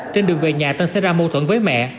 trên đường về nhà tân xảy ra mâu thuẫn với mẹ